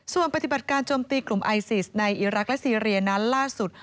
ส่วนปฏิบัติการโจมตีกลุ่มไอซิสในอีรักษ์และซีเรียนั้นล่าสุด